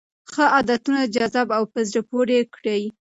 ښه عادتونه جذاب او په زړه پورې کړئ.